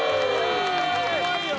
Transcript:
うまいよ